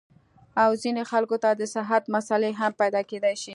او ځينې خلکو ته د صحت مسئلې هم پېدا کېدے شي -